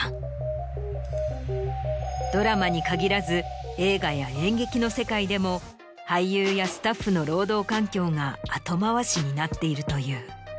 ドラマに限らず映画や演劇の世界でも俳優やスタッフの労働環境が後回しになっているという。